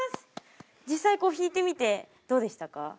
実際こう弾いてみてどうでしたか？